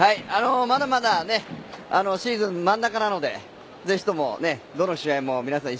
まだまだシーズン真ん中なので是非とも、どの試合も皆さん